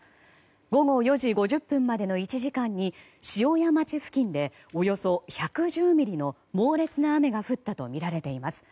午後４時５０分までの１時間に塩谷町付近でおよそ１１０ミリの猛烈な雨が降ったとみられています。